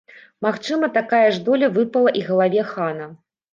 Магчыма, такая ж доля выпала і галаве хана.